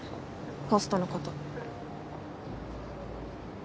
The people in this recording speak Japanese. ホストのこと。